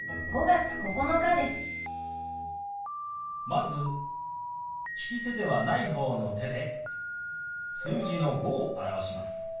まず利き手ではない方の手で数字の「５」を表します。